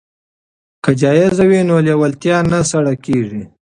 که جایزه وي نو لیوالتیا نه سړه کیږي.